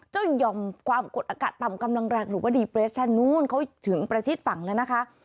ยอมความกดอากาศต่ำกำลังแรงหรือว่าดีเปรชั่นนู้นเขาถึงประชิดฝั่งแล้วนะคะ